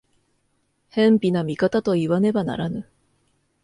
偏頗な見方といわねばならぬ。